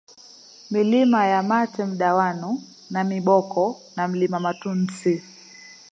Milima ya Matemdawanu Namiboko na Mlima Matundsi